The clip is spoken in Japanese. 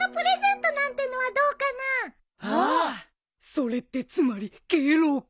それってつまり敬老会。